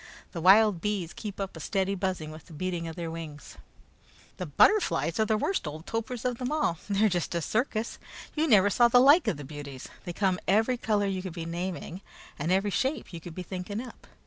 The wild bees keep up a steady buzzing with the beating of their wings. "The butterflies are the worst old topers of them all. They're just a circus! You never saw the like of the beauties! They come every color you could be naming, and every shape you could be thinking up.